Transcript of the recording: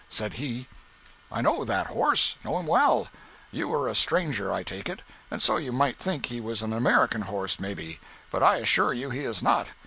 Said he: "I know that horse—know him well. You are a stranger, I take it, and so you might think he was an American horse, maybe, but I assure you he is not.